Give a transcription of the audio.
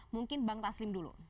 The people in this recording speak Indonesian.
mungkin bang taslim dulu